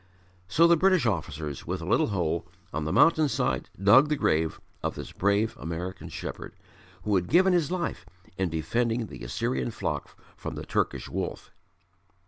So the British officers, with a little hoe, on the mountain side dug the grave of this brave American shepherd, who had given his life in defending the Assyrian flock from the Turkish wolf.